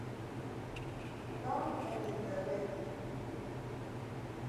Non en Internet.